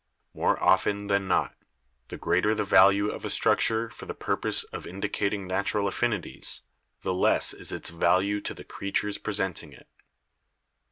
More often than not the greater the value of a structure for the purpose of indicating natural affinities, the less is its value to the creatures presenting it.